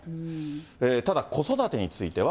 ただ、子育てについては。